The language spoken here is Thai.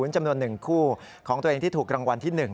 จำนวน๑คู่ของตัวเองที่ถูกรางวัลที่๑